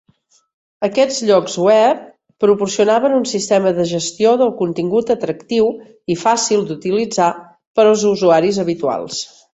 Aquests llocs web proporcionaven un sistema de gestió del contingut atractiu i fàcil d'utilitzar per als usuaris habituals.